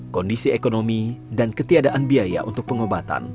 kondisi ekonomi dan ketiadaan biaya untuk pengobatan